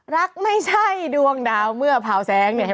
รักไม่ใช่ดวงดาวเมื่อเผาแสงเนี่ย